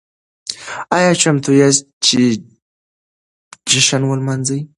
ايا چمتو ياست چې جشن ولمانځئ؟